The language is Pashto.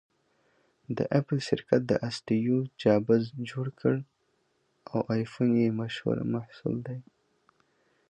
د اپل شرکت اسټیوجابز جوړ کړ٬ او ایفون یې مشهور محصول دی